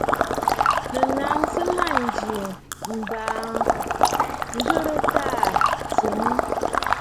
Nɨ̀ naŋsə mânjì M̀màꞌàmb ŋ̀ghɨrə t à tsinə!.